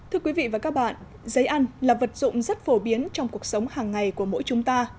thưa quý vị và các bạn giấy ăn là vật dụng rất phổ biến trong cuộc sống hàng ngày của mỗi chúng ta